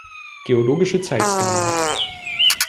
Geologische Zeitskala